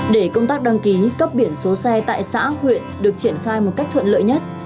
để công tác đăng ký cấp biển số xe tại xã huyện được triển khai một cách thuận lợi nhất